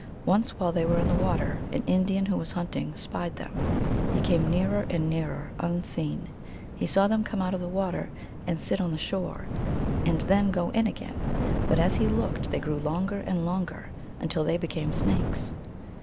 Once, while they were in the water, an Indian who was hunting spied them. He came nearer and nearer, unseen. He saw them come out of the water and sit on the shore, and then go in again ; but as he looked they grew longer and longer, until they became snakes.